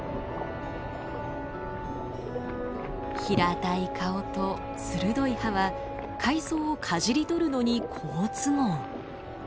平たい顔と鋭い歯は海藻をかじり取るのに好都合。